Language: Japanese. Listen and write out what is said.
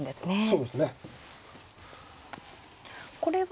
そうですね